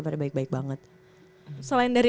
pada baik baik banget selain dari